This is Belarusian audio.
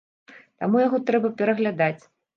Таму яго трэба пераглядаць.